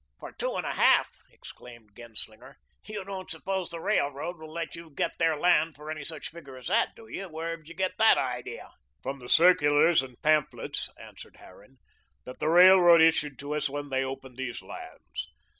"For two and a half!" exclaimed Genslinger. "You don't suppose the railroad will let their land go for any such figure as that, do you? Wherever did you get that idea?" "From the circulars and pamphlets," answered Harran, "that the railroad issued to us when they opened these lands.